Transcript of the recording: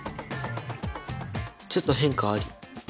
ちょっと変化あり。